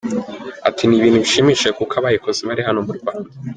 Ati “Ni ibintu bishimishije kuko abayikoze bari hano mu Rwanda.